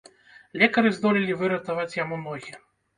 Лекары здолелі выратаваць яму ногі.